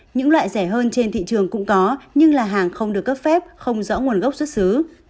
những loại rẻ hơn trên thị trường cũng có nhưng là hàng không được cấp phép không rõ nguồn gốc xuất xứ